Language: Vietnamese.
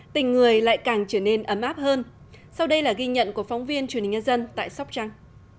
tình người lại càng trở nên ấm áp hơn sau đây là ghi nhận của phóng viên truyền hình nhân dân tại sóc trăng